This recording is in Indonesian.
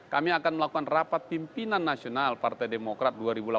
kami akan melakukan rapat pimpinan nasional partai demokrat